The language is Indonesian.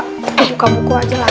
buka buka aja lah